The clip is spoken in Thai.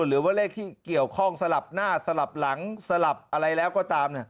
หรือว่าเลขที่เกี่ยวข้องสลับหน้าสลับหลังสลับอะไรแล้วก็ตาม